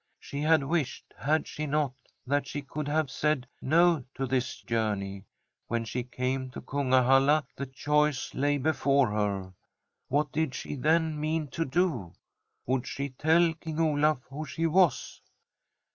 She had wished, had she not, that she could have said ' No ' to this journey. When she came to Kungahalla, the choice lay before her. What did she, then, mean to do ! Would she tell King Olaf who she was?